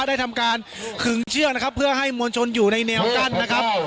ได้ทำการขึงเชือกนะครับเพื่อให้มวลชนอยู่ในแนวกั้นนะครับ